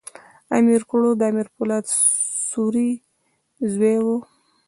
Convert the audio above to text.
امیر کروړ د امیر پولاد سوري زوی وو.